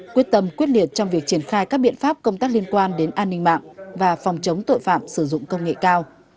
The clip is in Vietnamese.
quyết tâm quyết liệt trong việc triển khai các biện pháp công tác liên quan đến an ninh mạng và phòng chống tội phạm sử dụng công nghệ cao